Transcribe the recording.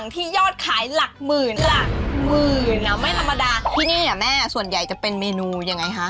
ที่นี่แม่ส่วนใหญ่จะเป็นเมนูยังไงคะ